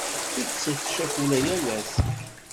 Tettet ccakula yal ass.